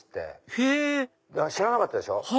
へぇ知らなかったでしょ？